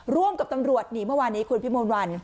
ร่วมกับตำรวจนี่เมื่อวานนี้คุณพิมนต์วัน